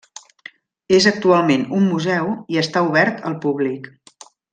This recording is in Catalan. És actualment un museu i està obert al públic.